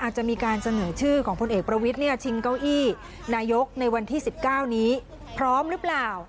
จะมีการเสนอชื่อของพลเอกประวิทย์ชิงเก้าอี้นายกในวันที่๑๙นี้พร้อมหรือเปล่า